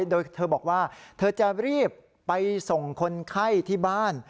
โดยเธอบอกว่าเธอจะรีบไปส่งคนไข้ที่บ้าน